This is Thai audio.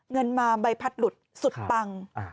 เงินมาใบพัดหลุดสุดปัง